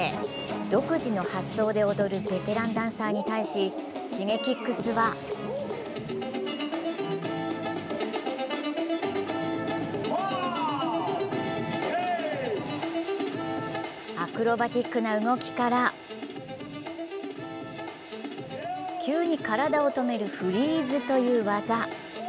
独自の発想で踊るベテランダンサーに対しＳｈｉｇｅｋｉｘはアクロバティックな動きから急に体を止めるフリーズという技。